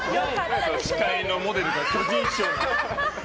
司会のモデルが巨人師匠なんだ。